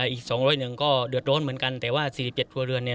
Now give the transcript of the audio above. อีกสองร้อยหนึ่งก็เดือดโดรนเหมือนกันแต่ว่าสี่สิบเจ็ดครัวเรือนเนี่ย